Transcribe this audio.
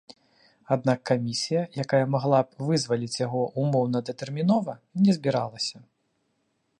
Аднак камісія, якая магла б вызваліць яго ўмоўна-датэрмінова, не збіралася.